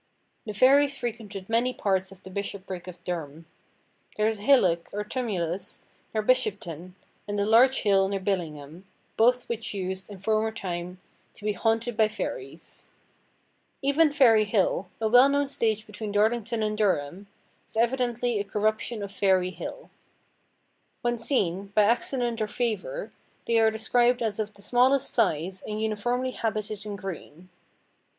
The fairies frequented many parts of the bishopric of Durham. There is a hillock, or tumulus, near Bishopton, and a large hill near Billingham, both which used, in former time, to be "haunted by fairies." Even Ferry–hill, a well–known stage between Darlington and Durham, is evidently a corruption of Fairy–hill. When seen, by accident or favour, they are described as of the smallest size, and uniformly habited in green.